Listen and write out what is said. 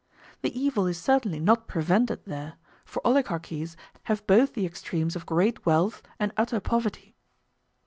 The evil is certainly not prevented there; for oligarchies have both the extremes of great wealth and utter poverty.